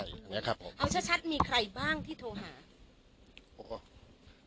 เอาชัดมีใครบ้างที่โทรหา